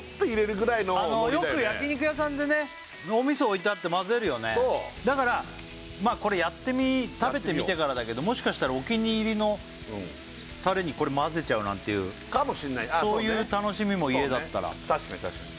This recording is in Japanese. これぐらいのノリだよねだからまあこれやってみ食べてみてからだけどもしかしたらお気に入りのタレにこれ混ぜちゃうなんていうそういう楽しみも家だったらそうね